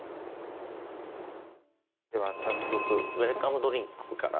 では早速ウェルカムドリンクから。